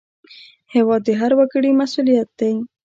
هېواد د هر وګړي مسوولیت دی